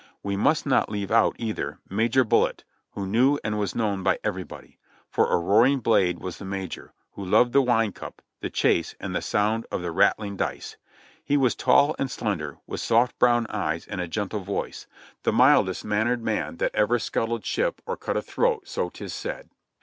We must not leave out, either, Major Bullet, who knew and was known by everybody; for a roaring blade was the Major, who loved the wine cup, the chase and the sound of the rattling dice ; he was tall and slender, with soft brown eyes and a gentle voice — the mildest mannered THE GHOST OF CHANTILLY 8^ man that ever scuttled ship or cut a throat, so 'tis said.